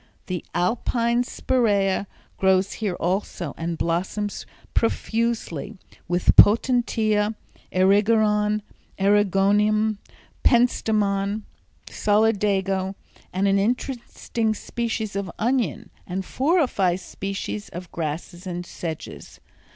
The alpine spiræa grows here also and blossoms profusely with potentilla, erigeron, eriogonum, pentstemon, solidago, and an interesting species of onion, and four or five species of grasses and sedges.